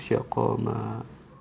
insya allah penyakit ma di sekitar allah